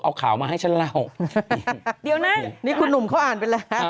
เอาข่าวมาให้ฉันเล่าเดี๋ยวนะนี่คุณหนุ่มเขาอ่านไปแล้ว